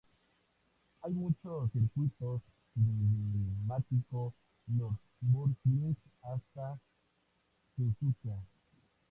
Hay muchos circuitos, desde el mítico Nürburgring hasta Suzuka.